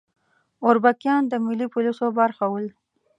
اربکیان د ملي پولیسو برخه ول